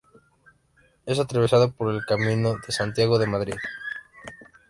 Es atravesado por el Camino de Santiago de Madrid.